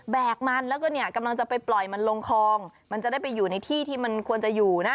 กมันแล้วก็เนี่ยกำลังจะไปปล่อยมันลงคลองมันจะได้ไปอยู่ในที่ที่มันควรจะอยู่นะ